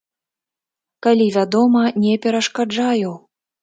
Калі, вядома, не перашкаджаю.